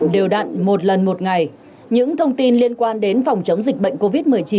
đều đặn một lần một ngày những thông tin liên quan đến phòng chống dịch bệnh covid một mươi chín